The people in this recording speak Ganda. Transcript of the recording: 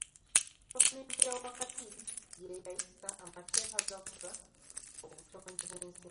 Gavumenti ya wakati y'eyisa amateeka agafuga obutonde bw'ensi.